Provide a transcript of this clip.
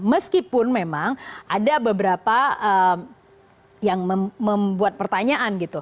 meskipun memang ada beberapa yang membuat pertanyaan gitu